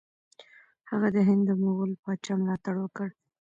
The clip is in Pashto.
هغه د هند د مغول پاچا ملاتړ وکړ.